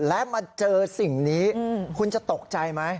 และมาเจอสิ่งนี้คุณจะตกใจไหม